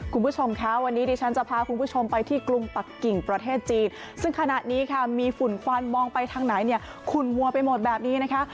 คุณผู้ชมคะวันนี้ดิฉันจะพาคุณผู้ชมไปที่กรุงปักกิ่งประเทศจีนซึ่งขณะนี้ค่ะมีฝุ่นควันมองไปทางไหนเนี่ยขุ่นมัวไปหมดแบบนี้นะคะ